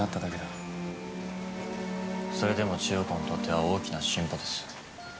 それでも千代子にとっては大きな進歩です。